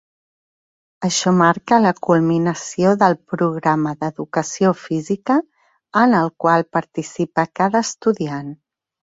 Això marca la culminació del Programa d'Educació Física, en el qual participa cada estudiant.